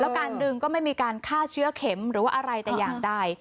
การดึงก็ไม่มีการฆ่าเชื้อเข็มหรือว่าอะไรแต่อย่างใด